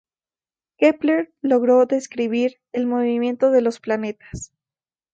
Kepler logró describir el movimiento de los planetas.